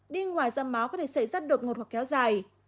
đi ngoài ra máu có thể xảy ra đột ngột hoặc kéo dài